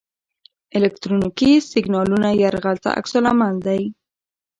الکترونیکي سیګنالونو یرغل ته عکس العمل دی.